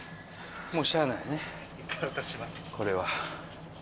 もうしゃあないねこれは。